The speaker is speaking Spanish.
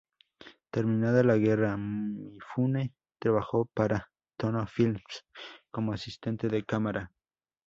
Terminada la guerra, Mifune trabajó para "Toho films" como asistente de cámara.